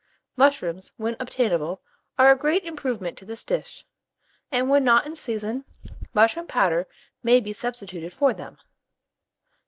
Mushrooms, when obtainable, are a great improvement to this dish, and when not in season, mushroom powder may be substituted for them.